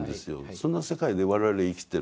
そんな世界で我々生きてる。